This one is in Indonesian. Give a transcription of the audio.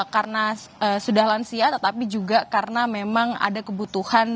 karena sudah lansia tetapi juga karena memang ada kebutuhan